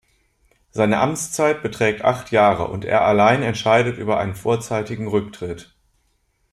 Seine Amtszeit beträgt acht Jahre, und er allein entscheidet über einen vorzeitigen Rücktritt.